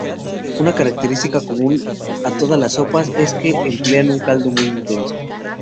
Una característica común a todas las sopas es que emplean un caldo muy intenso.